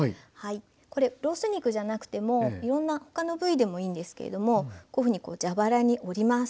これロース肉じゃなくてもいろんな他の部位でもいいんですけれどもこういうふうに蛇腹に折ります。